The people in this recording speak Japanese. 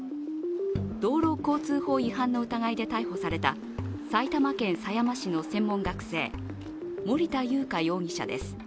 道路交通法違反の疑いで逮捕された埼玉県狭山市の専門学校生、森田祐加容疑者です。